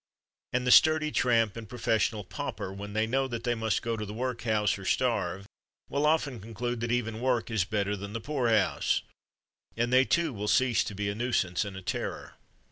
And the sturdy tramp and professional pauper, when they know that they must go to the work house or starve, will often conclude that even work is better than the poor house, and they too will cease to be a nuisance and a terror.